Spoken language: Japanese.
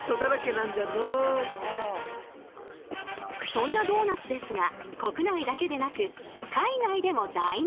そんなドーナツですが国内だけでなく海外でも大人気！